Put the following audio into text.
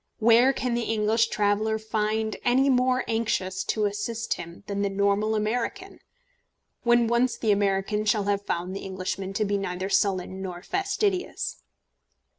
Where can the English traveller find any more anxious to assist him than the normal American, when once the American shall have found the Englishman to be neither sullen nor fastidious?